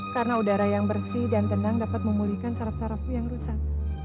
karena udara yang bersih dan tenang dapat memulihkan sarap sarapku yang rusak